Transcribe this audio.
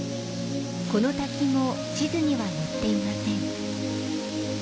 この滝も地図には載っていません。